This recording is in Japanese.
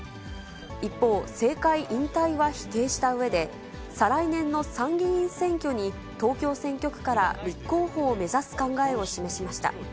一方、政界引退は否定したうえで、再来年の参議院選挙に、東京選挙区から立候補を目指す考えを示しました。